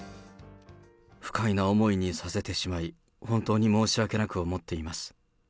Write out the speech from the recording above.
不快な思いにさせてしまい、本当に申し訳なく思っています。